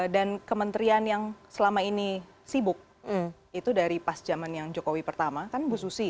dan kementerian yang selama ini sibuk itu dari pas zaman yang jokowi pertama kan bu susi